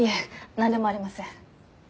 なんでもありません。